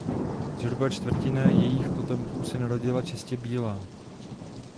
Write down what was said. Zhruba čtvrtina jejích potomků se narodila čistě bílá.